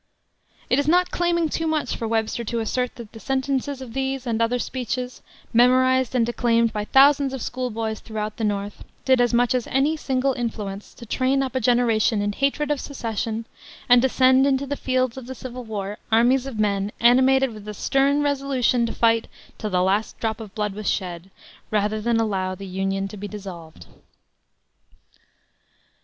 It is not claiming too much for Webster to assert that the sentences of these and other speeches, memorized and declaimed by thousands of school boys throughout the North, did as much as any single influence to train up a generation in hatred of secession, and to send into the fields of the civil war armies of men animated with the stern resolution to fight till the last drop of blood was shed, rather than allow the Union to be dissolved.